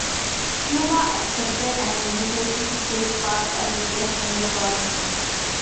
Cuba accepted an invitation to take part as a guest in the tournament.